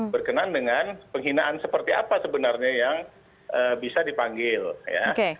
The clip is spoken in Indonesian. berkenan dengan penghinaan seperti apa sebenarnya yang bisa dipanggil ya